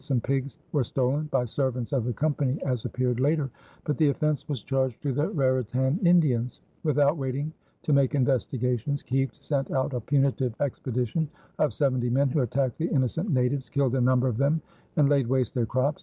Some pigs were stolen, by servants of the Company as appeared later; but the offense was charged to the Raritan Indians. Without waiting to make investigations Kieft sent out a punitive expedition of seventy men, who attacked the innocent natives, killed a number of them, and laid waste their crops.